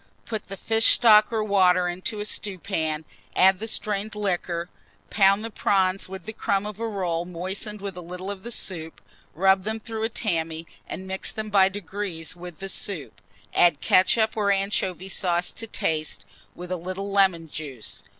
Put the fish stock or water into a stewpan; add the strained liquor, pound the prawns with the crumb of a roll moistened with a little of the soup, rub them through a tammy, and mix them by degrees with the soup; add ketchup or anchovy sauce to taste, with a little lemon juice.